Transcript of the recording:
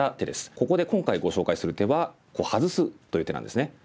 ここで今回ご紹介する手はハズすという手なんですね。